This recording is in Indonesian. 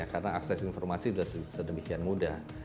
karena akses informasi sudah sedemikian mudah